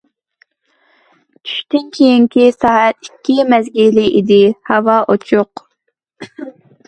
چۈشتىن كېيىنكى سائەت ئىككى مەزگىلى ئىدى. ھاۋا ئوچۇق.